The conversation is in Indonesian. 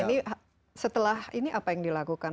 ini setelah ini apa yang dilakukan